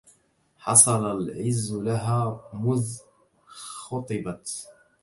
حصل العز لها مذ خطبت